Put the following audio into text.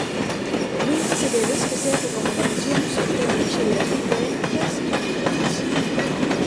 Nunca se debe esquecer que como variacións entendo lixeiras diferenzas individuais.